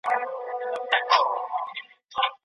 هغه توري چي توپیر لري د ماشین په واسطه په اسانۍ پېژندل کیږي.